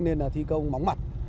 nên là thi công móng mặt